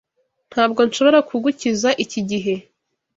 Ntabwo nshobora kugukiza iki gihe.